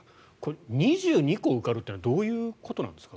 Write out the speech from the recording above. ２２校受かるっていうのはどういうことなんですか？